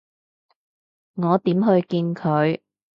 我點去見佢？